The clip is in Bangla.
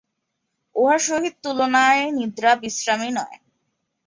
উহার সহিত তুলনায় নিদ্রা বিশ্রামই নয়।